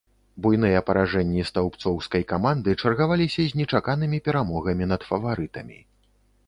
Буйныя паражэнні стаўбцоўскай каманды чаргаваліся з нечаканымі перамогамі над фаварытамі.